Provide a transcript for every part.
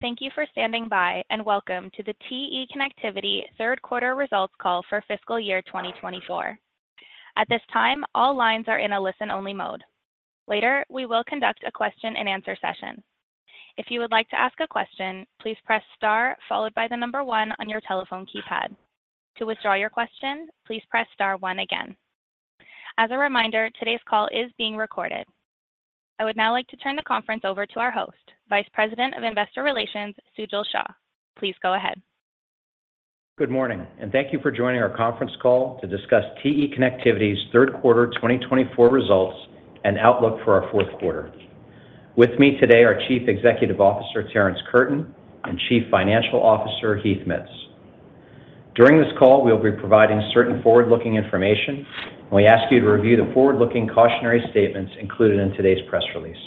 Thank you for standing by, and welcome to the TE Connectivity third quarter results call for fiscal year 2024. At this time, all lines are in a listen-only mode. Later, we will conduct a question-and-answer session. If you would like to ask a question, please press star followed by the number one on your telephone keypad. To withdraw your question, please press star one again. As a reminder, today's call is being recorded. I would now like to turn the conference over to our host, Vice President of Investor Relations, Sujal Shah. Please go ahead. Good morning, and thank you for joining our conference call to discuss TE Connectivity's third quarter 2024 results and outlook for our fourth quarter. With me today are Chief Executive Officer Terrence Curtin and Chief Financial Officer Heath Mitts. During this call, we will be providing certain forward-looking information, and we ask you to review the forward-looking cautionary statements included in today's press release.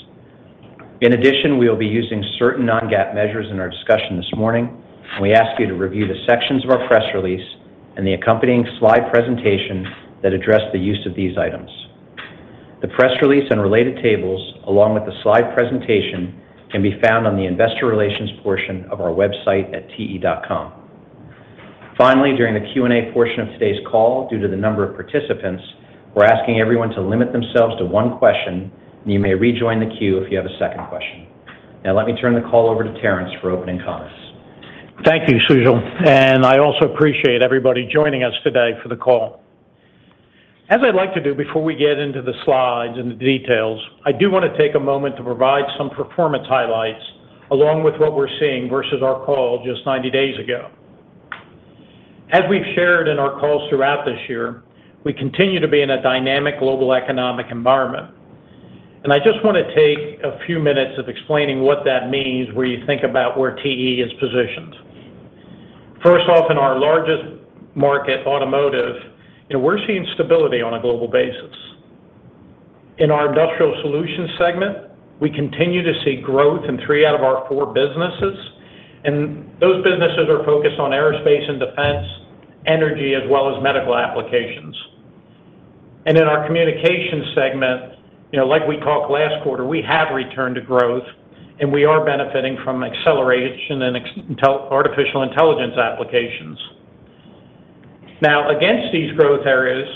In addition, we will be using certain non-GAAP measures in our discussion this morning, and we ask you to review the sections of our press release and the accompanying slide presentation that address the use of these items. The press release and related tables, along with the slide presentation, can be found on the Investor Relations portion of our website at te.com. Finally, during the Q&A portion of today's call, due to the number of participants, we're asking everyone to limit themselves to one question, and you may rejoin the queue if you have a second question. Now, let me turn the call over to Terrence for opening comments. Thank you, Sujal, and I also appreciate everybody joining us today for the call. As I'd like to do before we get into the slides and the details, I do want to take a moment to provide some performance highlights along with what we're seeing versus our call just 90 days ago. As we've shared in our calls throughout this year, we continue to be in a dynamic global economic environment, and I just want to take a few minutes of explaining what that means when you think about where TE is positioned. First off, in our largest market, Automotive, we're seeing stability on a global basis. In our Industrial Solutions segment, we continue to see growth in three out of our four businesses, and those businesses are focused on Aerospace and Defense, Energy, as well as Medical applications. In our Communications segment, like we talked last quarter, we have returned to growth, and we are benefiting from acceleration in artificial intelligence applications. Now, against these growth areas,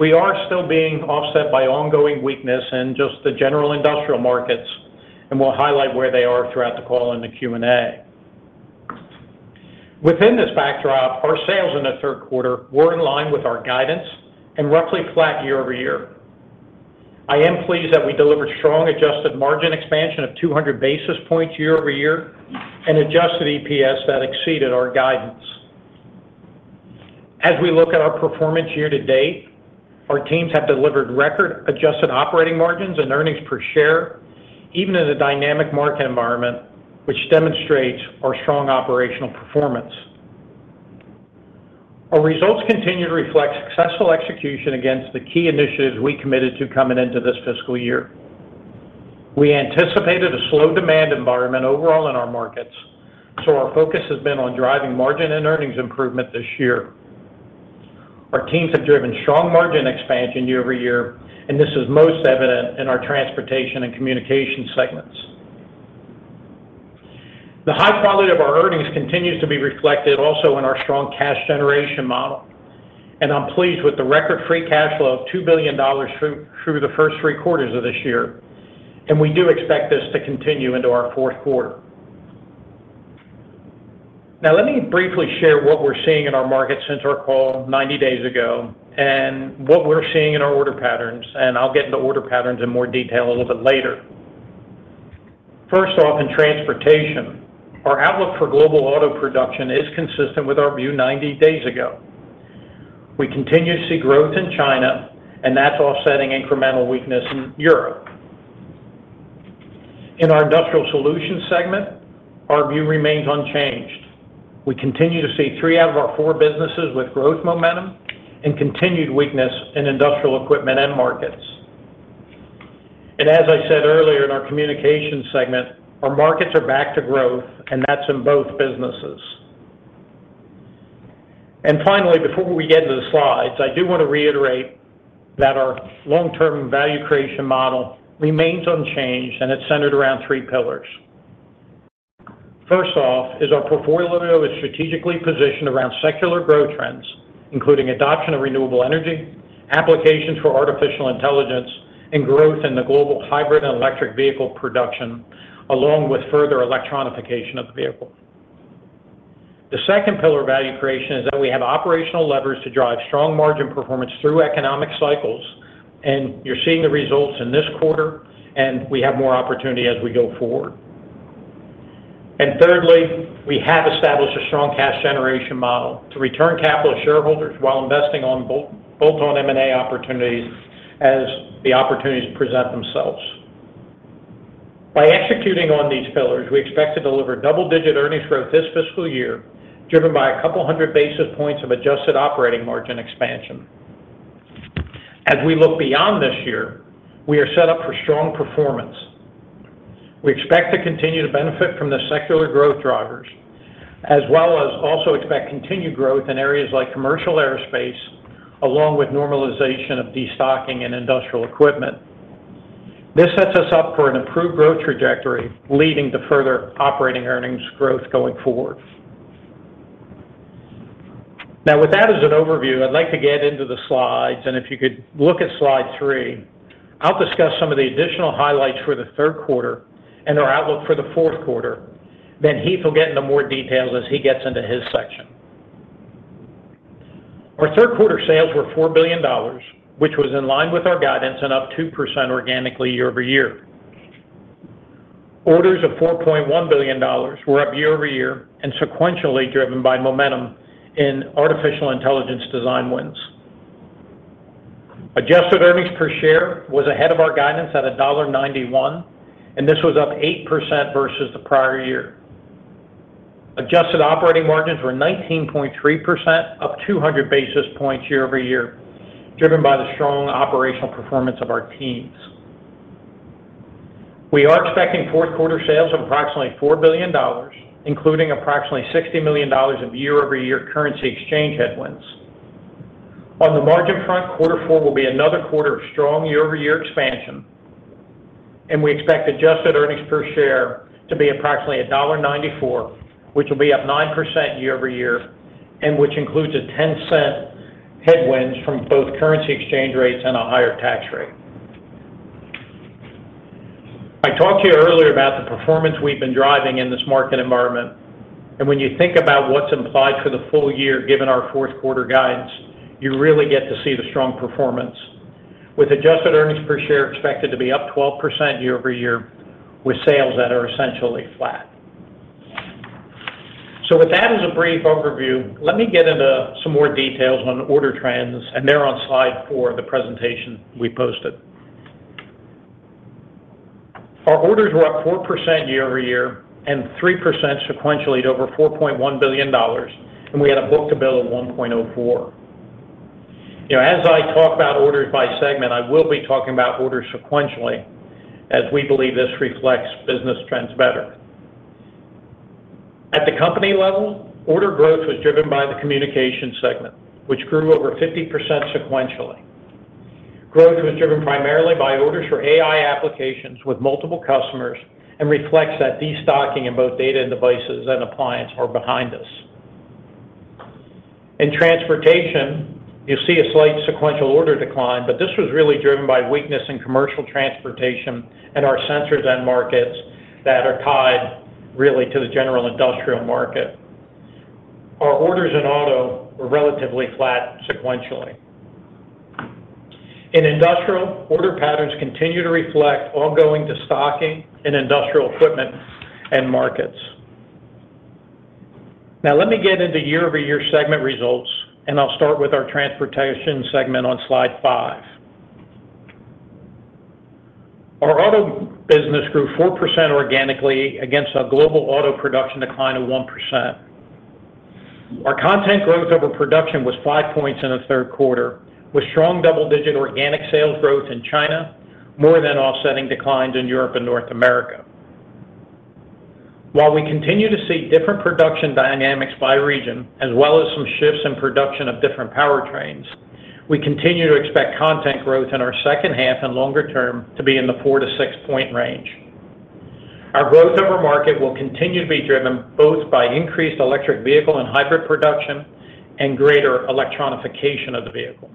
we are still being offset by ongoing weakness in just the general industrial markets, and we'll highlight where they are throughout the call and the Q&A. Within this backdrop, our sales in the third quarter were in line with our guidance and roughly flat year-over-year. I am pleased that we delivered strong adjusted margin expansion of 200 basis points year-over-year and adjusted EPS that exceeded our guidance. As we look at our performance year-to-date, our teams have delivered record adjusted operating margins and earnings per share, even in a dynamic market environment, which demonstrates our strong operational performance. Our results continue to reflect successful execution against the key initiatives we committed to coming into this fiscal year. We anticipated a slow demand environment overall in our markets, so our focus has been on driving margin and earnings improvement this year. Our teams have driven strong margin expansion year-over-year, and this is most evident in our Transportation and Communications segments. The high quality of our earnings continues to be reflected also in our strong cash generation model, and I'm pleased with the record free cash flow of 2 billion dollars through the first three quarters of this year, and we do expect this to continue into our fourth quarter. Now, let me briefly share what we're seeing in our markets since our call 90 days ago and what we're seeing in our order patterns, and I'll get into order patterns in more detail a little bit later. First off, in Transportation, our outlook for global auto production is consistent with our view 90 days ago. We continue to see growth in China, and that's offsetting incremental weakness in Europe. In our Industrial Solutions segment, our view remains unchanged. We continue to see three out of our four businesses with growth momentum and continued weakness in industrial equipment and markets. As I said earlier in our Communications segment, our markets are back to growth, and that's in both businesses. Finally, before we get into the slides, I do want to reiterate that our long-term value creation model remains unchanged, and it's centered around three pillars. First off is our portfolio is strategically positioned around secular growth trends, including adoption of renewable energy, applications for artificial intelligence, and growth in the global hybrid and electric vehicle production, along with further electronification of the vehicle. The second pillar of value creation is that we have operational levers to drive strong margin performance through economic cycles, and you're seeing the results in this quarter, and we have more opportunity as we go forward. And thirdly, we have established a strong cash generation model to return capital to shareholders while investing both on M&A opportunities as the opportunities present themselves. By executing on these pillars, we expect to deliver double-digit earnings growth this fiscal year, driven by 200 basis points of adjusted operating margin expansion. As we look beyond this year, we are set up for strong performance. We expect to continue to benefit from the secular growth drivers, as well as also expect continued growth in areas like commercial aerospace, along with normalization of destocking and industrial equipment. This sets us up for an improved growth trajectory leading to further operating earnings growth going forward. Now, with that as an overview, I'd like to get into the slides, and if you could look at slide 3, I'll discuss some of the additional highlights for the third quarter and our outlook for the fourth quarter. Then Heath will get into more details as he gets into his section. Our third quarter sales were 4 billion dollars, which was in line with our guidance and up 2% organically year-over-year. Orders of 4.1 billion dollars were up year-over-year and sequentially driven by momentum in artificial intelligence design wins. Adjusted earnings per share was ahead of our guidance at dollar 1.91, and this was up 8% versus the prior year. Adjusted operating margins were 19.3%, up 200 basis points year-over-year, driven by the strong operational performance of our teams. We are expecting fourth quarter sales of approximately 4 billion dollars, including approximately 60 million dollars of year-over-year currency exchange headwinds. On the margin front, fourth quarter will be another quarter of strong year-over-year expansion, and we expect adjusted earnings per share to be approximately dollar 1.94, which will be up 9% year-over-year, and which includes a 0.10 headwind from both currency exchange rates and a higher tax rate. I talked to you earlier about the performance we've been driving in this market environment, and when you think about what's implied for the full year given our fourth quarter guidance, you really get to see the strong performance, with adjusted earnings per share expected to be up 12% year-over-year, with sales that are essentially flat. So with that as a brief overview, let me get into some more details on order trends, and they're on slide four of the presentation we posted. Our orders were up 4% year-over-year and 3% sequentially to over 4.1 billion dollars, and we had a book-to-bill of 1.04. As I talk about orders by segment, I will be talking about orders sequentially as we believe this reflects business trends better. At the company level, order growth was driven by the Communications segment, which grew over 50% sequentially. Growth was driven primarily by orders for AI applications with multiple customers and reflects that destocking in both Data and Devices and Appliances are behind us. In Transportation, you'll see a slight sequential order decline, but this was really driven by weakness in Commercial Transportation and our Sensors and markets that are tied really to the general industrial market. Our orders in auto were relatively flat sequentially. In industrial, order patterns continue to reflect ongoing destocking in industrial equipment and markets. Now, let me get into year-over-year segment results, and I'll start with our transportation segment on slide 5. Our auto business grew 4% organically against a global auto production decline of 1%. Our content growth over production was 5 points in the third quarter, with strong double-digit organic sales growth in China, more than offsetting declines in Europe and North America. While we continue to see different production dynamics by region, as well as some shifts in production of different powertrains, we continue to expect content growth in our second half and longer term to be in the 4-6-point range. Our growth of our market will continue to be driven both by increased electric vehicle and hybrid production and greater electronification of the vehicle.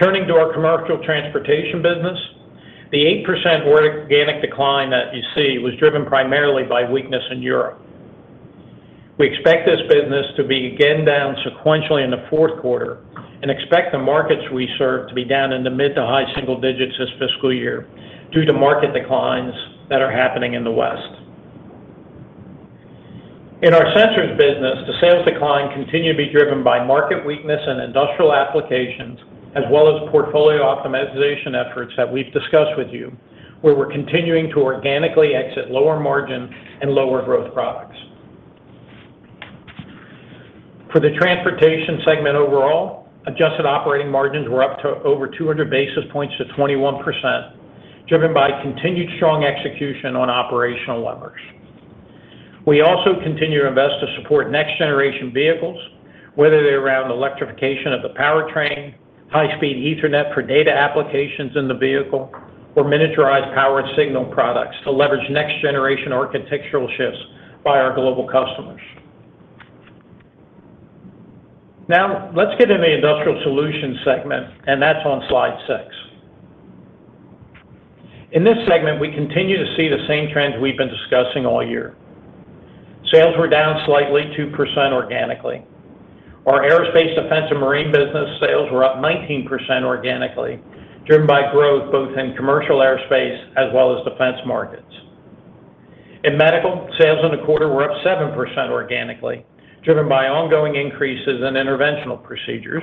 Turning to our Commercial Transportation business, the 8% organic decline that you see was driven primarily by weakness in Europe. We expect this business to be again down sequentially in the fourth quarter and expect the markets we serve to be down in the mid to high single digits this fiscal year due to market declines that are happening in the West. In our Sensors business, the sales decline continues to be driven by market weakness and industrial applications, as well as portfolio optimization efforts that we've discussed with you, where we're continuing to organically exit lower margin and lower growth products. For the Transportation segment overall, adjusted operating margins were up to over 200 basis points to 21%, driven by continued strong execution on operational levers. We also continue to invest to support next-generation vehicles, whether they're around electrification of the powertrain, high-speed Ethernet for data applications in the vehicle, or miniaturized power and signal products to leverage next-generation architectural shifts by our global customers. Now, let's get into the Industrial Solutions segment, and that's on slide six. In this segment, we continue to see the same trends we've been discussing all year. Sales were down slightly, 2% organically. Our Aerospace, Defense and Marine business sales were up 19% organically, driven by growth both in commercial aerospace as well as defense markets. In Medical, sales in the quarter were up 7% organically, driven by ongoing increases in interventional procedures.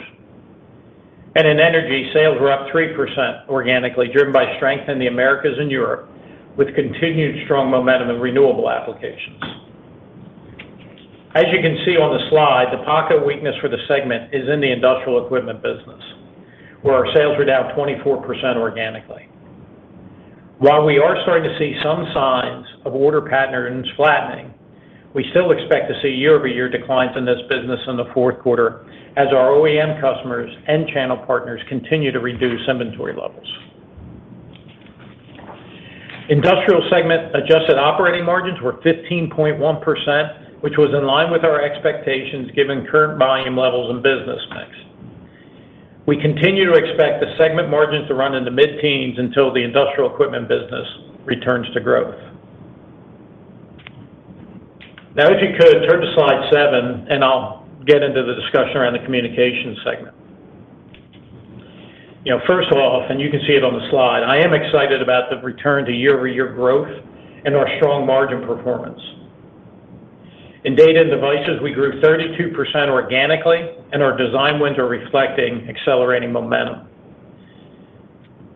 In Energy, sales were up 3% organically, driven by strength in the Americas and Europe with continued strong momentum in renewable applications. As you can see on the slide, the pocket weakness for the segment is in the Industrial Equipment business, where our sales were down 24% organically. While we are starting to see some signs of order patterns flattening, we still expect to see year-over-year declines in this business in the fourth quarter as our OEM customers and channel partners continue to reduce inventory levels. Industrial segment adjusted operating margins were 15.1%, which was in line with our expectations given current volume levels and business mix. We continue to expect the segment margins to run in the mid-teens until the Industrial Equipment business returns to growth. Now, if you could turn to slide 7, and I'll get into the discussion around the Communications segment. First off, you can see it on the slide, I am excited about the return to year-over-year growth and our strong margin performance. In Data and Devices, we grew 32% organically, and our design wins are reflecting accelerating momentum.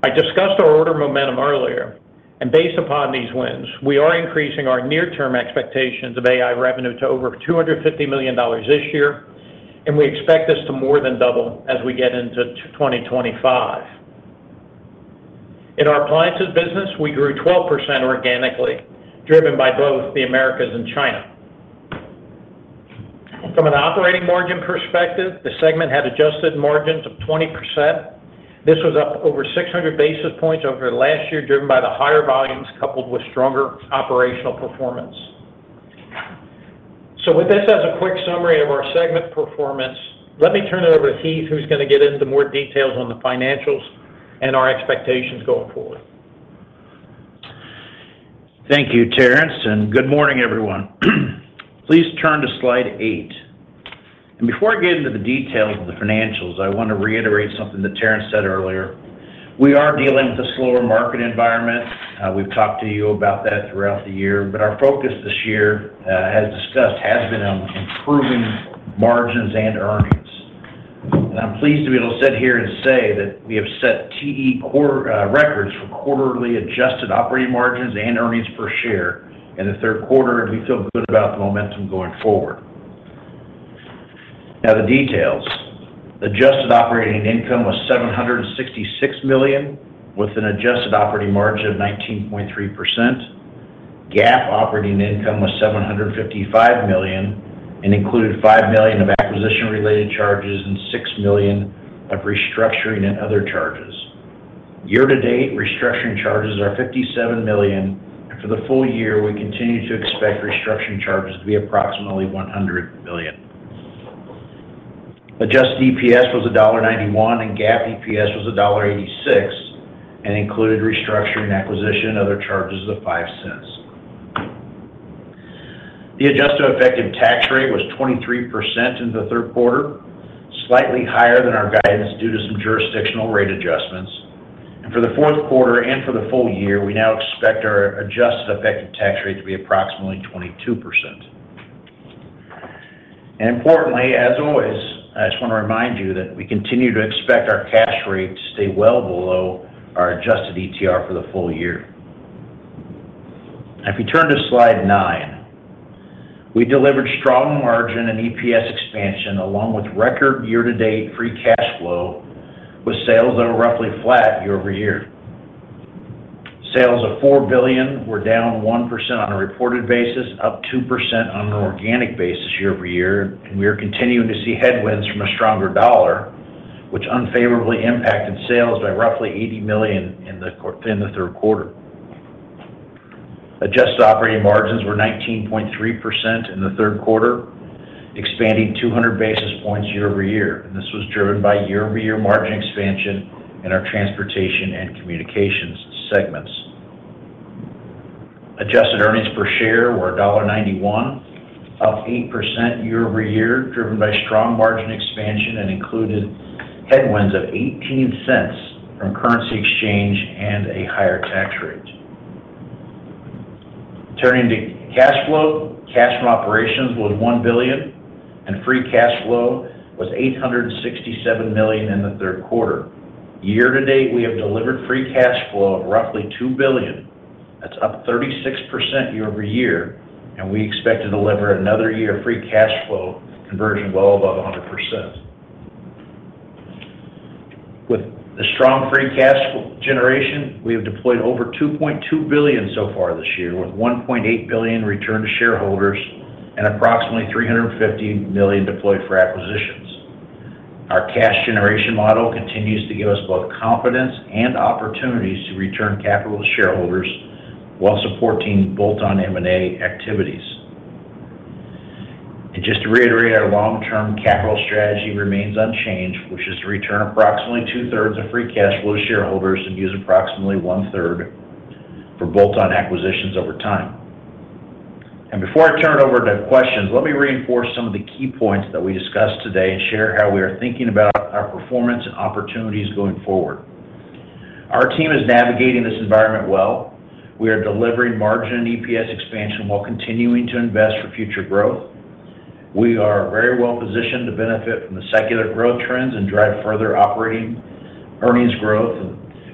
I discussed our order momentum earlier, and based upon these wins, we are increasing our near-term expectations of AI revenue to over 250 million dollars this year, and we expect this to more than double as we get into 2025. In our Appliances business, we grew 12% organically, driven by both the Americas and China. From an operating margin perspective, the segment had adjusted margins of 20%. This was up over 600 basis points over the last year, driven by the higher volumes coupled with stronger operational performance. With this as a quick summary of our segment performance, let me turn it over to Heath, who's going to get into more details on the financials and our expectations going forward. Thank you, Terrence, and good morning, everyone. Please turn to slide 8. Before I get into the details of the financials, I want to reiterate something that Terrence said earlier. We are dealing with a slower market environment. We've talked to you about that throughout the year, but our focus this year, as discussed, has been on improving margins and earnings. I'm pleased to be able to sit here and say that we have set TE records for quarterly adjusted operating margins and earnings per share in the third quarter, and we feel good about the momentum going forward. Now, the details. Adjusted operating income was 766 million, with an adjusted operating margin of 19.3%. GAAP operating income was 755 million and included 5 million of acquisition-related charges and 6 million of restructuring and other charges. Year-to-date, restructuring charges are 57 million, and for the full year, we continue to expect restructuring charges to be approximately 100 million. Adjusted EPS was dollar 1.91, and GAAP EPS was dollar 1.86 and included restructuring acquisition and other charges of 0.05. The adjusted effective tax rate was 23% in the third quarter, slightly higher than our guidance due to some jurisdictional rate adjustments. For the fourth quarter and for the full year, we now expect our adjusted effective tax rate to be approximately 22%. Importantly, as always, I just want to remind you that we continue to expect our cash rate to stay well below our adjusted ETR for the full year. If you turn to slide 9, we delivered strong margin and EPS expansion along with record year-to-date free cash flow, with sales that are roughly flat year-over-year. Sales of 4 billion were down 1% on a reported basis, up 2% on an organic basis year-over-year, and we are continuing to see headwinds from a stronger dollar, which unfavorably impacted sales by roughly 80 million in the third quarter. Adjusted operating margins were 19.3% in the third quarter, expanding 200 basis points year-over-year, and this was driven by year-over-year margin expansion in our transportation and communications segments. Adjusted earnings per share were dollar 1.91, up 8% year-over-year, driven by strong margin expansion and included headwinds of 0.18 from currency exchange and a higher tax rate. Turning to cash flow, cash from operations was 1 billion, and free cash flow was 867 million in the third quarter. Year-to-date, we have delivered free cash flow of roughly 2 billion. That's up 36% year-over-year, and we expect to deliver another year of free cash flow conversion well above 100%. With the strong free cash generation, we have deployed over 2.2 billion so far this year, with 1.8 billion returned to shareholders and approximately 350 million deployed for acquisitions. Our cash generation model continues to give us both confidence and opportunities to return capital to shareholders while supporting bolt-on M&A activities. Just to reiterate, our long-term capital strategy remains unchanged, which is to return approximately two-thirds of free cash flow to shareholders and use approximately one-third for bolt-on acquisitions over time. Before I turn it over to questions, let me reinforce some of the key points that we discussed today and share how we are thinking about our performance and opportunities going forward. Our team is navigating this environment well. We are delivering margin and EPS expansion while continuing to invest for future growth. We are very well positioned to benefit from the secular growth trends and drive further operating earnings growth.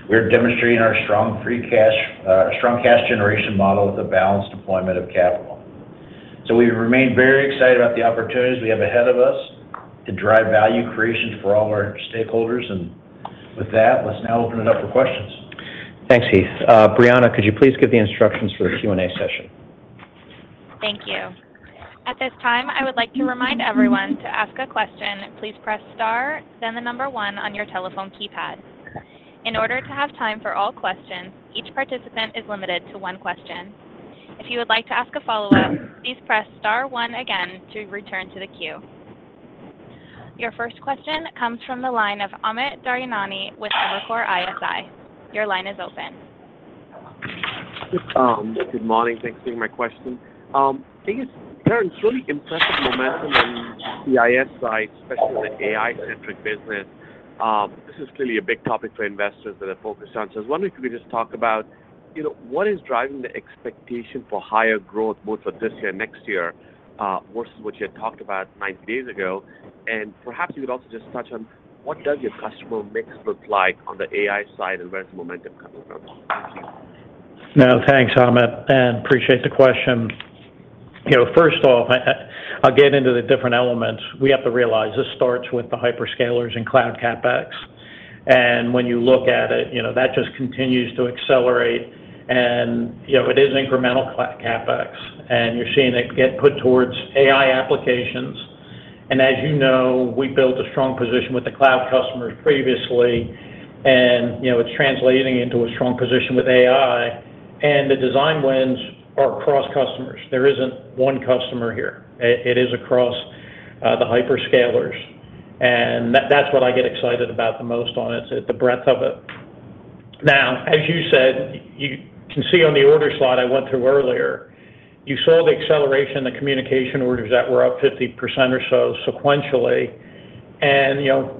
We are demonstrating our strong cash generation model with a balanced deployment of capital. So we remain very excited about the opportunities we have ahead of us to drive value creation for all our stakeholders. And with that, let's now open it up for questions. Thanks, Heath. Briana, could you please give the instructions for the Q&A session? Thank you. At this time, I would like to remind everyone to ask a question. Please press star, then the number one on your telephone keypad. In order to have time for all questions, each participant is limited to one question. If you would like to ask a follow-up, please press star one again to return to the queue. Your first question comes from the line of Amit Daryanani with Evercore ISI. Your line is open. Good morning. Thanks for taking my question. Terrence, really impressive momentum on the ISI, especially the AI-centric business. This is clearly a big topic for investors that are focused on. So I was wondering if you could just talk about what is driving the expectation for higher growth both for this year and next year versus what you had talked about 90 days ago. And perhaps you could also just touch on what does your customer mix look like on the AI side and where's the momentum coming from. Thank you. Now, thanks, Amit. I appreciate the question. First off, I'll get into the different elements. We have to realize this starts with the hyperscalers and cloud CapEx. When you look at it, that just continues to accelerate. It is incremental CapEx, and you're seeing it get put towards AI applications. As you know, we built a strong position with the cloud customers previously, and it's translating into a strong position with AI. The design wins are across customers. There isn't one customer here. It is across the hyperscalers. That's what I get excited about the most about it, the breadth of it. Now, as you said, you can see on the order slide I went through earlier. You saw the acceleration in the communication orders that were up 50% or so sequentially.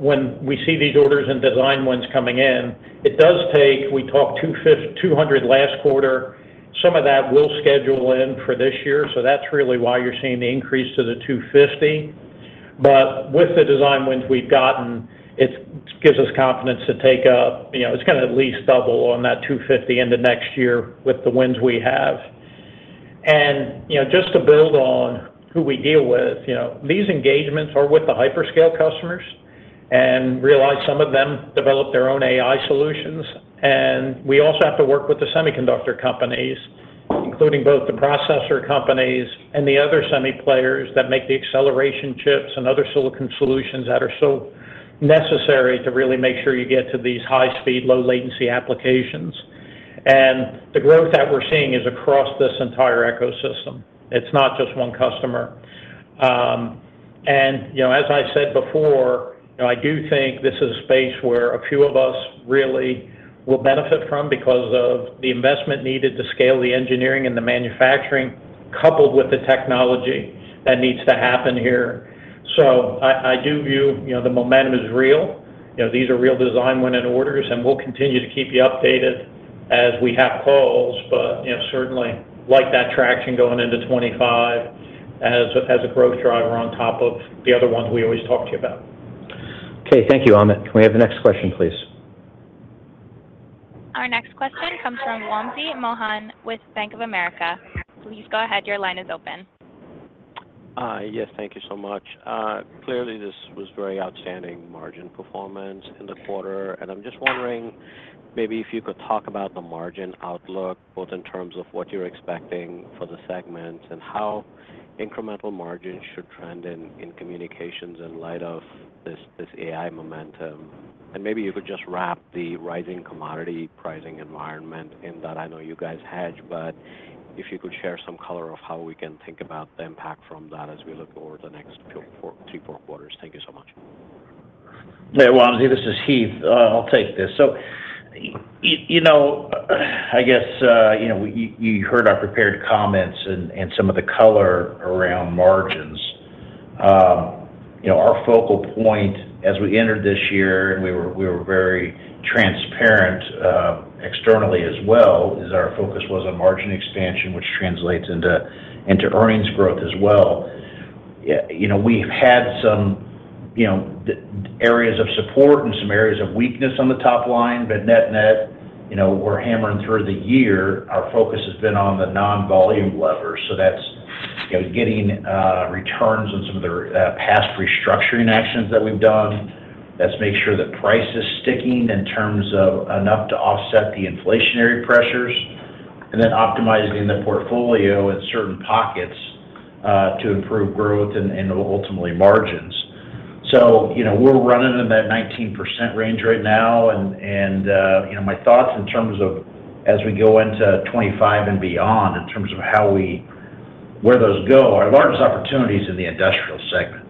When we see these orders and design wins coming in, it does take. We talked 200 last quarter. Some of that will schedule in for this year. That's really why you're seeing the increase to the 250. But with the design wins we've gotten, it gives us confidence to take a. It's going to at least double on that 250 into next year with the wins we have. Just to build on who we deal with, these engagements are with the hyperscale customers, and realize some of them develop their own AI solutions. We also have to work with the semiconductor companies, including both the processor companies and the other semi players that make the acceleration chips and other silicon solutions that are so necessary to really make sure you get to these high-speed, low-latency applications. The growth that we're seeing is across this entire ecosystem. It's not just one customer. As I said before, I do think this is a space where a few of us really will benefit from because of the investment needed to scale the engineering and the manufacturing, coupled with the technology that needs to happen here. I do view the momentum is real. These are real design winning orders, and we'll continue to keep you updated as we have calls, but certainly like that traction going into 2025 as a growth driver on top of the other ones we always talk to you about. Okay. Thank you, Amit. Can we have the next question, please? Our next question comes from Wamsi Mohan with Bank of America. Please go ahead. Your line is open. Yes. Thank you so much. Clearly, this was very outstanding margin performance in the quarter. And I'm just wondering maybe if you could talk about the margin outlook, both in terms of what you're expecting for the segment and how incremental margins should trend in communications in light of this AI momentum. And maybe you could just wrap the rising commodity pricing environment in that I know you guys hedge, but if you could share some color of how we can think about the impact from that as we look over the next three or four quarters. Thank you so much. Hey, Wamsi. This is Heath. I'll take this. So I guess you heard our prepared comments and some of the color around margins. Our focal point as we entered this year, and we were very transparent externally as well, is our focus was on margin expansion, which translates into earnings growth as well. We've had some areas of support and some areas of weakness on the top line, but net-net, we're hammering through the year. Our focus has been on the non-volume levers. So that's getting returns on some of the past restructuring actions that we've done. That's make sure that price is sticking in terms of enough to offset the inflationary pressures, and then optimizing the portfolio in certain pockets to improve growth and ultimately margins. So we're running in that 19% range right now. My thoughts in terms of as we go into 2025 and beyond, in terms of where those go, our largest opportunity is in the industrial segment.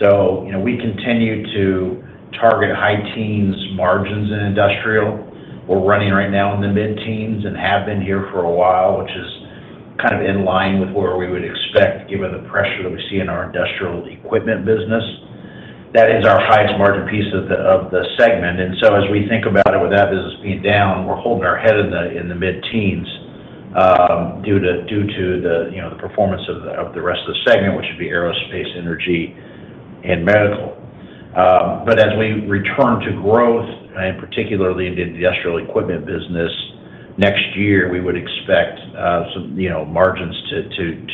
So we continue to target high-teens margins in industrial. We're running right now in the mid-teens and have been here for a while, which is kind of in line with where we would expect given the pressure that we see in our industrial equipment business. That is our highest margin piece of the segment. And so as we think about it, with that business being down, we're holding our head in the mid-teens due to the performance of the rest of the segment, which would be aerospace, energy, and medical. But as we return to growth, and particularly in the industrial equipment business, next year, we would expect some margins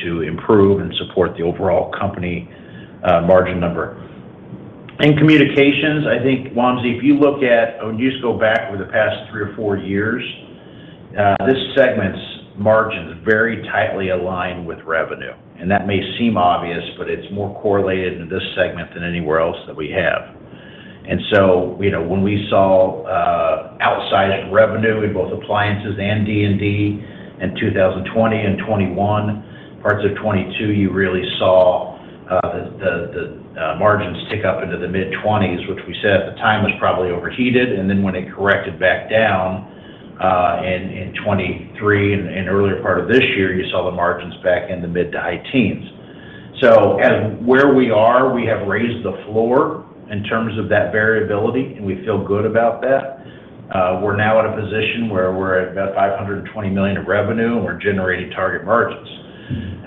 to improve and support the overall company margin number. In Communications, I think, Wamsi, if you look at, or you just go back over the past three or four years, this segment's margins very tightly aligned with revenue. And that may seem obvious, but it's more correlated in this segment than anywhere else that we have. And so when we saw outsized revenue in both Appliances and D&D in 2020 and 2021, parts of 2022, you really saw the margins tick up into the mid-20s, which we said at the time was probably overheated. And then when it corrected back down in 2023 and earlier part of this year, you saw the margins back in the mid-to-high teens. So where we are, we have raised the floor in terms of that variability, and we feel good about that. We're now at a position where we're at about 520 million of revenue, and we're generating target margins.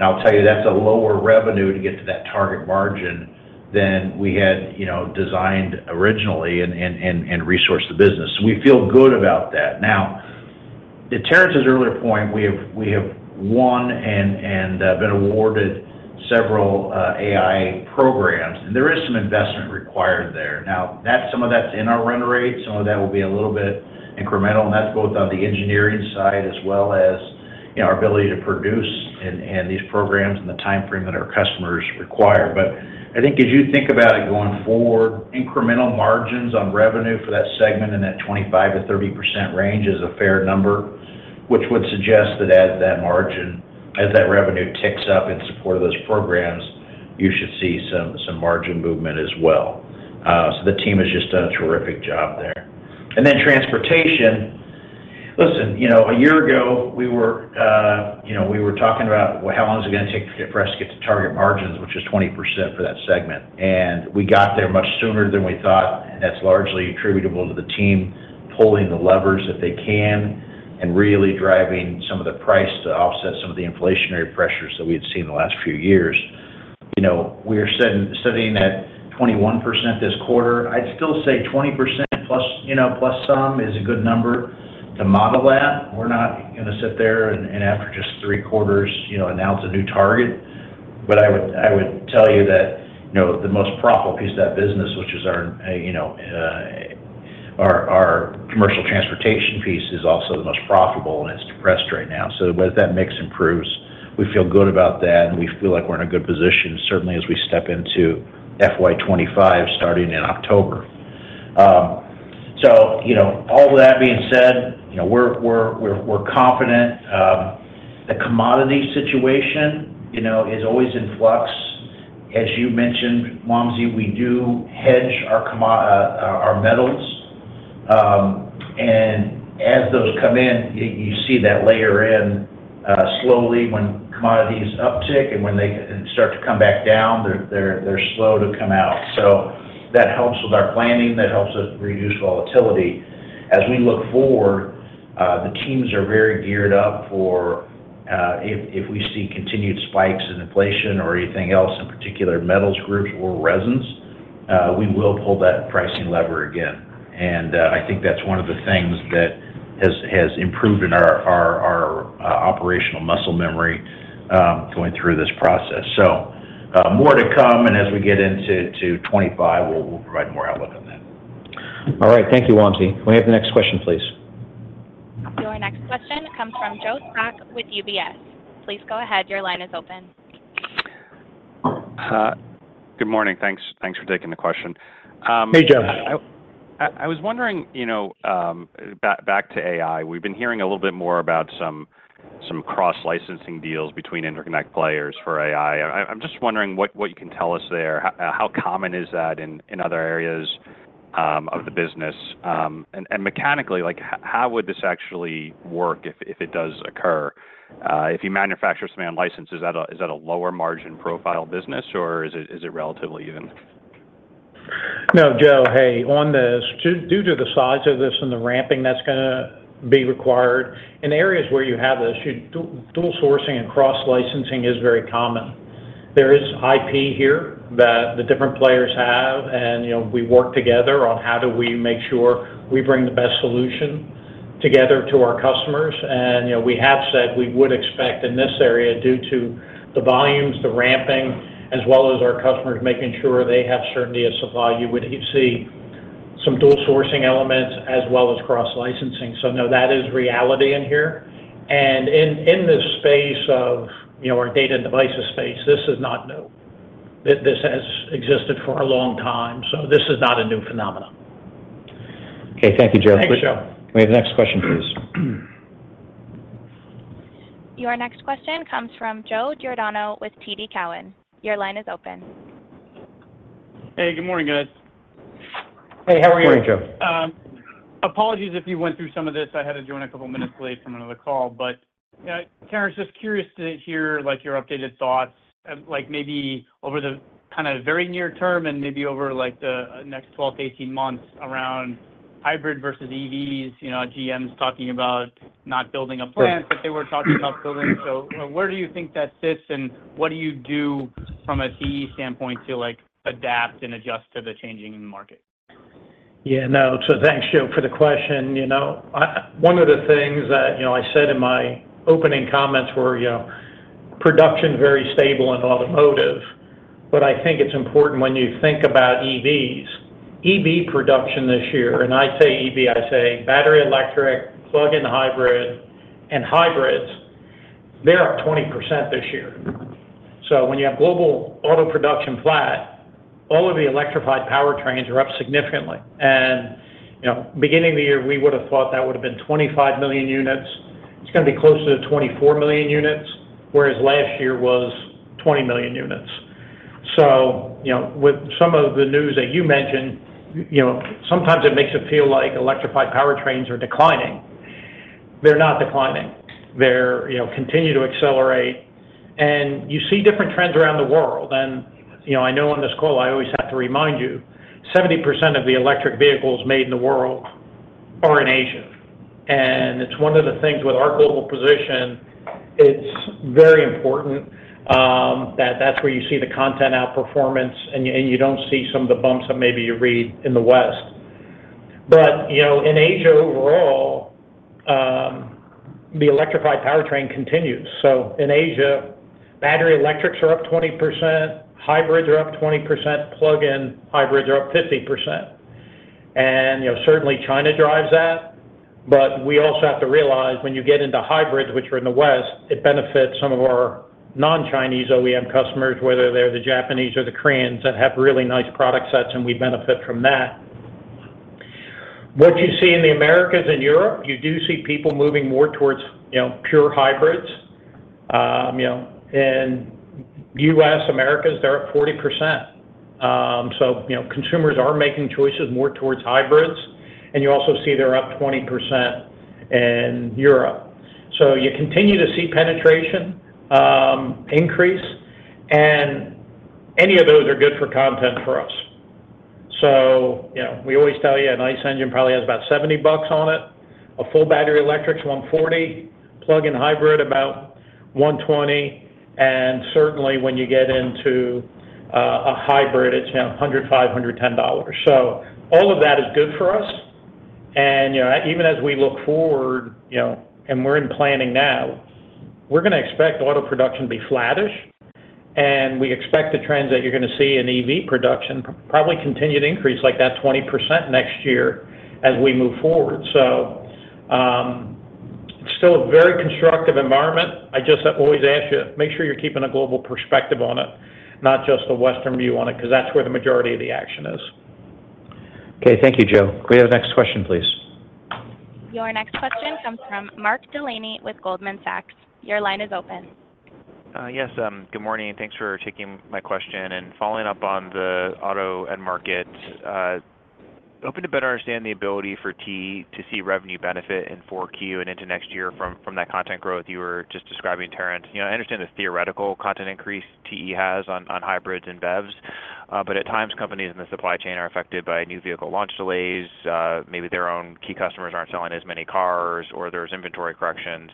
I'll tell you, that's a lower revenue to get to that target margin than we had designed originally and resourced the business. So we feel good about that. Now, to Terrence's earlier point, we have won and been awarded several AI programs, and there is some investment required there. Now, some of that's in our run rate. Some of that will be a little bit incremental, and that's both on the engineering side as well as our ability to produce and these programs and the timeframe that our customers require. But I think as you think about it going forward, incremental margins on revenue for that segment in that 25%-30% range is a fair number, which would suggest that as that revenue ticks up in support of those programs, you should see some margin movement as well. So the team has just done a terrific job there. And then transportation, listen, a year ago, we were talking about how long is it going to take for us to get to target margins, which is 20% for that segment. And we got there much sooner than we thought, and that's largely attributable to the team pulling the levers that they can and really driving some of the price to offset some of the inflationary pressures that we had seen the last few years. We are sitting at 21% this quarter. I'd still say 20% plus some is a good number to model that. We're not going to sit there and after just three quarters, announce a new target. But I would tell you that the most profitable piece of that business, which is our commercial transportation piece, is also the most profitable, and it's depressed right now. So as that mix improves, we feel good about that, and we feel like we're in a good position, certainly as we step into FY25 starting in October. So all of that being said, we're confident. The commodity situation is always in flux. As you mentioned, Wamsi, we do hedge our metals. And as those come in, you see that layer in slowly when commodities uptick, and when they start to come back down, they're slow to come out. So that helps with our planning. That helps us reduce volatility. As we look forward, the teams are very geared up for if we see continued spikes in inflation or anything else, in particular metals groups or resins, we will pull that pricing lever again. And I think that's one of the things that has improved in our operational muscle memory going through this process. More to come, and as we get into 2025, we'll provide more outlook on that. All right. Thank you, Wamsi. Can we have the next question, please? Your next question comes from Joseph Spak with UBS. Please go ahead. Your line is open. Good morning. Thanks for taking the question. Hey, Joe. I was wondering back to AI. We've been hearing a little bit more about some cross-licensing deals between interconnect players for AI. I'm just wondering what you can tell us there. How common is that in other areas of the business? And mechanically, how would this actually work if it does occur? If you manufacture some licenses, is that a lower margin profile business, or is it relatively even? No, Joe, hey, on this, due to the size of this and the ramping that's going to be required, in areas where you have this, dual sourcing and cross-licensing is very common. There is IP here that the different players have, and we work together on how do we make sure we bring the best solution together to our customers. And we have said we would expect in this area, due to the volumes, the ramping, as well as our customers making sure they have certainty of supply, you would see some dual sourcing elements as well as cross-licensing. So no, that is reality in here. And in this space of our Data and Devices space, this is not new. This has existed for a long time. So this is not a new phenomenon. Okay. Thank you, Joe. Thank you, Joe. Can we have the next question, please? Your next question comes from Joe Giordano with TD Cowen. Your line is open. Hey, Good morning, guys. Hey, how are you? Morning, Joe. Apologies if you went through some of this. I had to join a couple of minutes late from another call. Terrence, just curious to hear your updated thoughts, maybe over the kind of very near term and maybe over the next 12-18 months around hybrid versus EVs. GM's talking about not building a plant that they were talking about building. So where do you think that sits? What do you do from a CEO standpoint to adapt and adjust to the changing market? Yeah. No, so thanks, Joe, for the question. One of the things that I said in my opening comments were production very stable in automotive, but I think it's important when you think about EVs. EV production this year, and I say EV, I say battery electric, plug-in hybrid, and hybrids, they're up 20% this year. So when you have global auto production flat, all of the electrified powertrains are up significantly. And beginning of the year, we would have thought that would have been 25 million units. It's going to be closer to 24 million units, whereas last year was 20 million units. So with some of the news that you mentioned, sometimes it makes it feel like electrified powertrains are declining. They're not declining. They continue to accelerate. And you see different trends around the world. I know on this call, I always have to remind you, 70% of the electric vehicles made in the world are in Asia. And it's one of the things with our global position, it's very important that that's where you see the content outperformance, and you don't see some of the bumps that maybe you read in the West. But in Asia overall, the electrified powertrain continues. So in Asia, battery electrics are up 20%, hybrids are up 20%, plug-in hybrids are up 50%. And certainly, China drives that. But we also have to realize when you get into hybrids, which are in the West, it benefits some of our non-Chinese OEM customers, whether they're the Japanese or the Koreans that have really nice product sets, and we benefit from that. What you see in the Americas and Europe, you do see people moving more towards pure hybrids. In the US, Americas, they're up 40%. So consumers are making choices more towards hybrids. And you also see they're up 20% in Europe. So you continue to see penetration increase. And any of those are good for content for us. So we always tell you a nice engine probably has about 70 bucks on it. A full battery electric's 140, plug-in hybrid about 120. And certainly, when you get into a hybrid, it's 105-110 dollars. So all of that is good for us. And even as we look forward, and we're in planning now, we're going to expect auto production to be flattish. And we expect the trends that you're going to see in EV production probably continue to increase like that 20% next year as we move forward. So it's still a very constructive environment. I just always ask you, make sure you're keeping a global perspective on it, not just a Western view on it, because that's where the majority of the action is. Okay. Thank you, Joe. Can we have the next question, please? Your next question comes from Mark Delaney with Goldman Sachs. Your line is open. Yes. Good morning. Thanks for taking my question. And following up on the auto end market, hoping to better understand the ability for TE to see revenue benefit in 4Q and into next year from that content growth you were just describing, Terrence. I understand the theoretical content increase TE has on hybrids and BEVs. But at times, companies in the supply chain are affected by new vehicle launch delays. Maybe their own key customers aren't selling as many cars, or there's inventory corrections.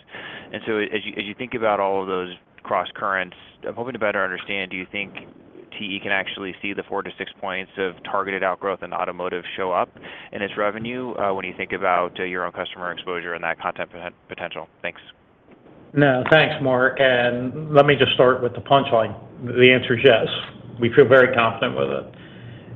And so as you think about all of those cross-currents, I'm hoping to better understand, do you think TE can actually see the 4-6 points of targeted outgrowth in automotive show up in its revenue when you think about your own customer exposure and that content potential? Thanks. No, thanks, Mark. Let me just start with the punchline. The answer is yes. We feel very confident with it.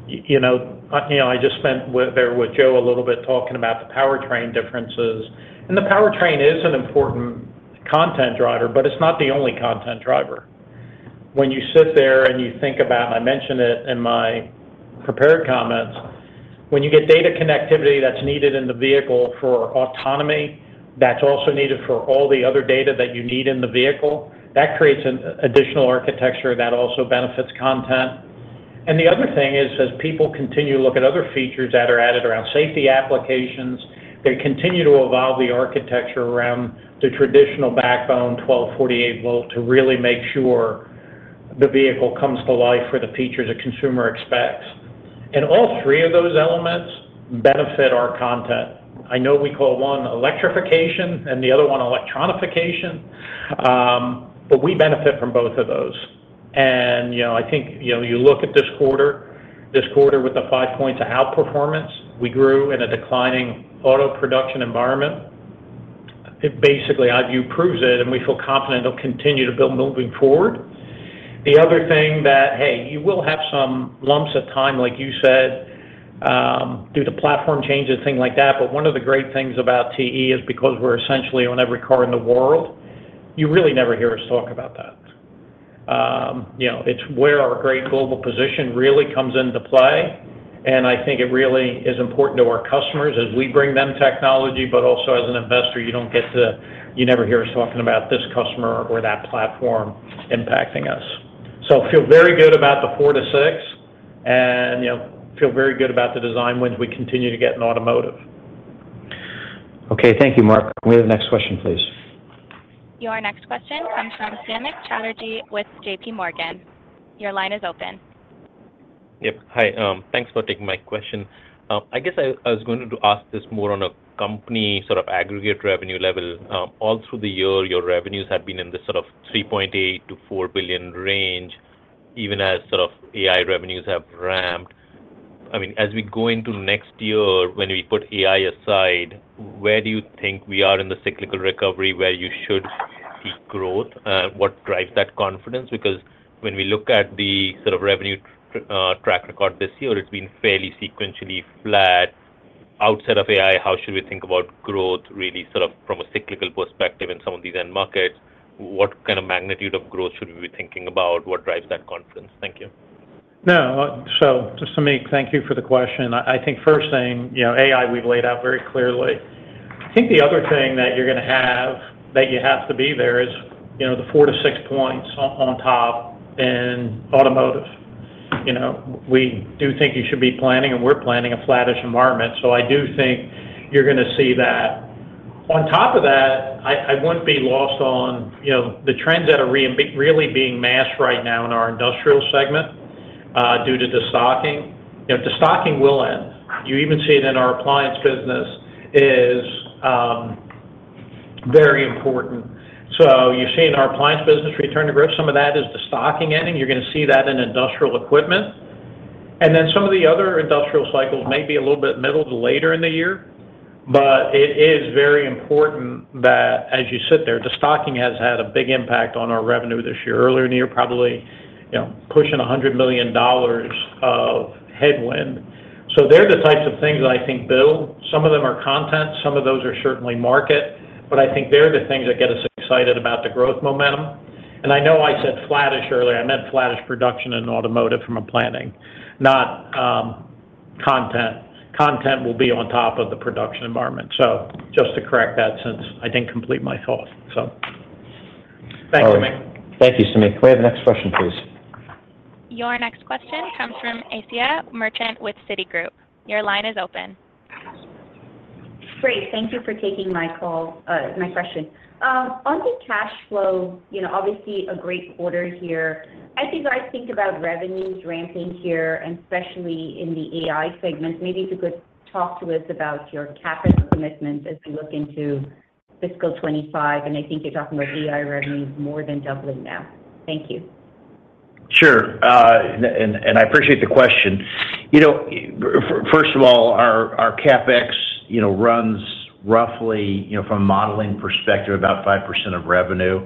I just sat there with Joe a little bit talking about the powertrain differences. The powertrain is an important content driver, but it's not the only content driver. When you sit there and you think about, and I mentioned it in my prepared comments, when you get data connectivity that's needed in the vehicle for autonomy, that's also needed for all the other data that you need in the vehicle. That creates an additional architecture that also benefits content. The other thing is, as people continue to look at other features that are added around safety applications, they continue to evolve the architecture around the traditional backbone 12-48 volt to really make sure the vehicle comes to life for the features a consumer expects. All three of those elements benefit our content. I know we call one electrification and the other one electronification, but we benefit from both of those. And I think you look at this quarter, this quarter with the 5 points of outperformance, we grew in a declining auto production environment. Basically, I view proves it, and we feel confident it'll continue to build moving forward. The other thing that, hey, you will have some lumps of time, like you said, due to platform changes, things like that. But one of the great things about TE is because we're essentially on every car in the world, you really never hear us talk about that. It's where our great global position really comes into play. I think it really is important to our customers as we bring them technology, but also as an investor, you don't get to, you never hear us talking about this customer or that platform impacting us. So feel very good about the 4-6 and feel very good about the design wins we continue to get in automotive. Okay. Thank you, Mark. Can we have the next question, please? Your next question comes from Samik Chatterjee with JPMorgan. Your line is open. Yep. Hi. Thanks for taking my question. I guess I was going to ask this more on a company sort of aggregate revenue level. All through the year, your revenues have been in this sort of 3.8-4 billion range, even as sort of AI revenues have ramped. I mean, as we go into next year, when we put AI aside, where do you think we are in the cyclical recovery where you should see growth? What drives that confidence? Because when we look at the sort of revenue track record this year, it's been fairly sequentially flat. Outside of AI, how should we think about growth really sort of from a cyclical perspective in some of these end markets? What kind of magnitude of growth should we be thinking about? What drives that confidence? Thank you. No. So just to say thank you for the question. I think first thing, AI, we've laid out very clearly. I think the other thing that you're going to have that you have to be there is the 4-6 points on top in automotive. We do think you should be planning, and we're planning a flattish environment. So I do think you're going to see that. On top of that, I wouldn't be lost on the trends that are really being masked right now in our industrial segment due to the destocking. The destocking will end. You even see it in our appliance business is very important. So you're seeing our appliance business return to growth. Some of that is the destocking ending. You're going to see that in industrial equipment. And then some of the other industrial cycles may be a little bit middle to later in the year, but it is very important that as you sit there, the destocking has had a big impact on our revenue this year. Earlier in the year, probably pushing 100 million dollars of headwind. So they're the types of things that I think build. Some of them are content. Some of those are certainly market. But I think they're the things that get us excited about the growth momentum. And I know I said flattish earlier. I meant flattish production in Automotive from a planning, not content. Content will be on top of the production environment. So just to correct that since I didn't complete my thought, so. Thanks, Samik. Thank you, Samik. Can we have the next question, please? Your next question comes from Asiya Merchant with Citigroup. Your line is open. Great. Thank you for taking my question. On the cash flow, obviously a great quarter here. As you guys think about revenues ramping here, and especially in the AI segment, maybe if you could talk to us about your capital commitments as we look into fiscal 2025. I think you're talking about AI revenues more than doubling now. Thank you. Sure. And I appreciate the question. First of all, our CapEx runs roughly, from a modeling perspective, about 5% of revenue.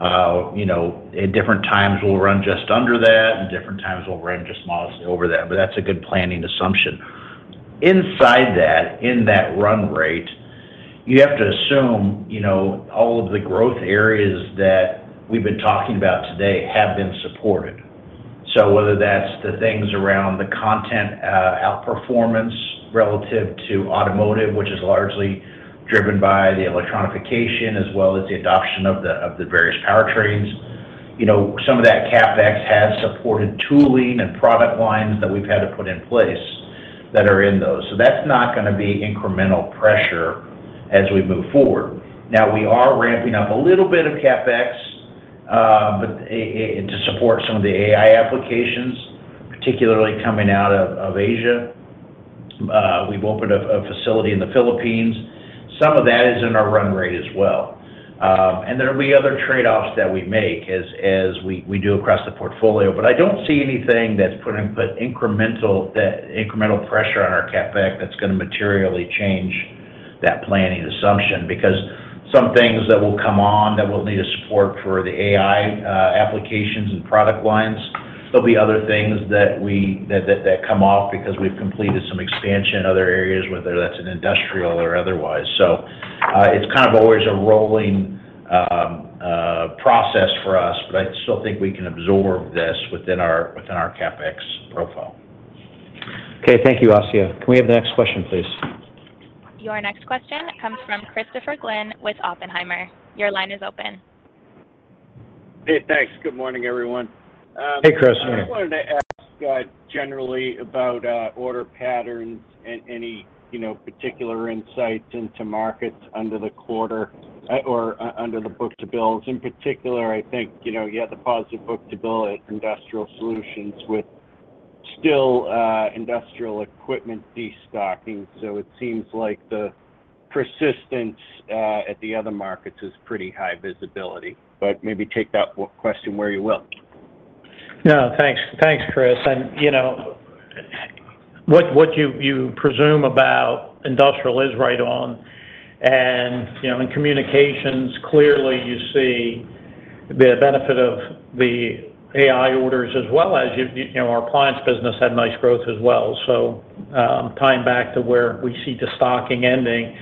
At different times, we'll run just under that. At different times, we'll run just modestly over that. But that's a good planning assumption. Inside that, in that run rate, you have to assume all of the growth areas that we've been talking about today have been supported. So whether that's the things around the content outperformance relative to automotive, which is largely driven by the electronification, as well as the adoption of the various powertrains, some of that CapEx has supported tooling and product lines that we've had to put in place that are in those. So that's not going to be incremental pressure as we move forward. Now, we are ramping up a little bit of CapEx to support some of the AI applications, particularly coming out of Asia. We've opened a facility in the Philippines. Some of that is in our run rate as well. And there will be other trade-offs that we make as we do across the portfolio. But I don't see anything that's going to put incremental pressure on our CapEx that's going to materially change that planning assumption. Because some things that will come on that will need to support for the AI applications and product lines, there'll be other things that come off because we've completed some expansion in other areas, whether that's in industrial or otherwise. So it's kind of always a rolling process for us, but I still think we can absorb this within our CapEx profile. Okay. Thank you, Asiya. Can we have the next question, please? Your next question comes from Christopher Glynn with Oppenheimer. Your line is open. Hey, thanks. Good morning, everyone. Hey, Chris. I wanted to ask generally about order patterns and any particular insights into markets under the quarter or under the book-to-bill. In particular, I think you had the positive book-to-bill at Industrial Solutions with still industrial equipment destocking. So it seems like the persistence at the other markets is pretty high visibility. But maybe take that question where you will. No, thanks, Chris. What you presume about Industrial is right on. In communications, clearly, you see the benefit of the AI orders, as well as our appliance business had nice growth as well. Tying back to where we see the stocking ending,